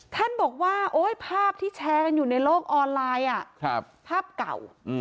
ท่านบอกว่าภาพที่แชร์กันอยู่ในโลกออนไลน์ภาพเก่า